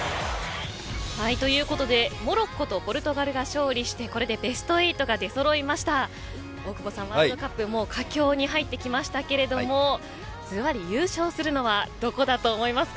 ということでモロッコとポルトガルが勝利してこれでベスト８が出そろいました大久保さん、ワールドカップも佳境に入ってきましたけどもずばり優勝するのはどこだと思いますか。